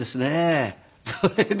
それで。